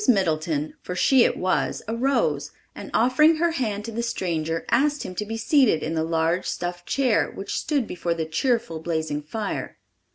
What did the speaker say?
Middleton, for she it was, arose, and offering her hand to the stranger, asked him to be seated in the large stuffed chair which stood before the cheerful blazing fire.